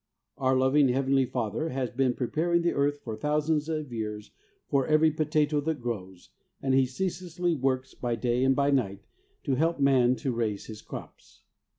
Our loving Heavenly Father has been preparing the earth for thousands of years for every potato that grows, and He ceaselessly works, by day and by night, to help man to raise his crops.